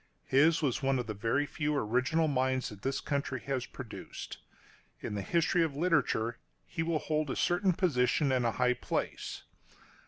His was one of the very few original minds that this country has produced. In the history of literature, he will hold a certain position and a high place.